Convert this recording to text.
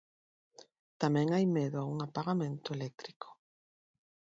Tamén hai medo a un apagamento eléctrico.